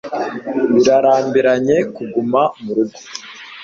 birarambiranye kuguma murugo